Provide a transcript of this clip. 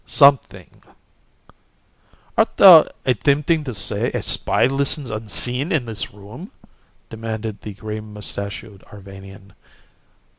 Something " "Art thou attempting to say a spy listens unseen in this room?" demanded the gray mustachioed Arvanian.